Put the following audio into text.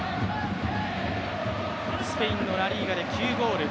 スペインのラ・リーガで９ゴール。